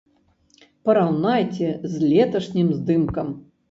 Параўнайце з леташнім здымкам.